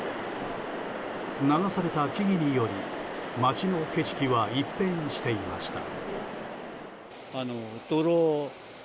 流された木々により町の景色は一変していました。